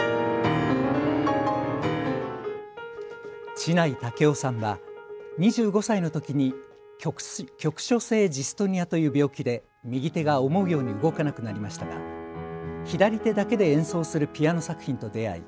智内威雄さんは２５歳のときに局所性ジストニアという病気で右手が思うように動かなくなりましたが左手だけで演奏するピアノ作品と出会い